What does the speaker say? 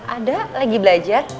ada lagi belajar